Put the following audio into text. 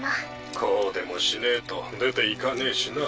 こうでもしねえと出ていかねえしな。